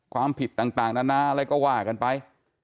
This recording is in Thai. ความผิดต่างนานาอะไรก็ว่ากันไป